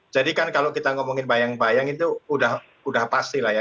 jadi kan kalau kita ngomongin bayang bayang itu udah pasti lah ya